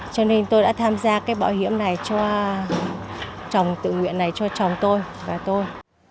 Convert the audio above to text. cho nên tôi đã tham gia cái bảo hiểm này cho chồng tự nguyện này cho chồng tôi và tôi